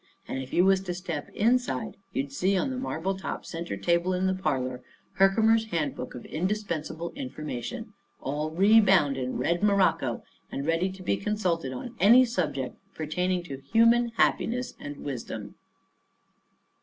And if you was to step inside you'd see on the marble top centre table in the parlour "Herkimer's Handbook of Indispensable Information," all rebound in red morocco, and ready to be consulted on any subject pertaining to human happiness and wisdom.